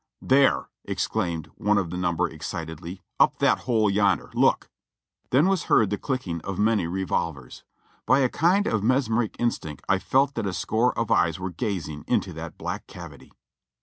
"There !" exclaimed one of the number excitedly, "up that hole yonder, look !" Then was heard the clicking of many revolvers. By a kind of mesmeric instinct I felt that a score of eyes were gazing into that black cavity.